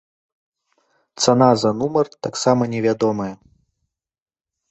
Цана за нумар таксама невядомая.